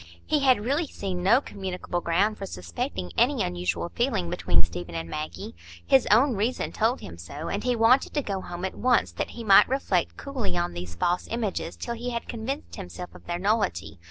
He had really seen no communicable ground for suspecting any ususual feeling between Stephen and Maggie; his own reason told him so, and he wanted to go home at once that he might reflect coolly on these false images, till he had convinced himself of their nullity.